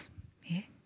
えっ。